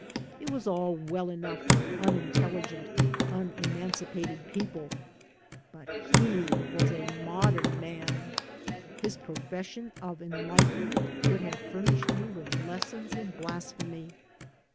It was all well enough for unintelligent, un emancipated pepple, but he was a modem man. His profession of enlightenment could have furnished me with lessons in blasphemy.